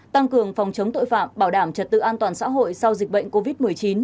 tăng cường phòng chống tội phạm bảo đảm trật tự an toàn xã hội sau dịch bệnh covid một mươi chín